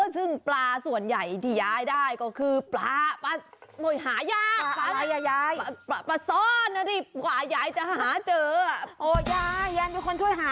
ซึ่งปลาส่วนใหญ่ที่ย้ายได้ก็คือปลาหายาย